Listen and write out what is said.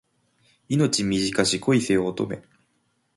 命短し恋せよ乙女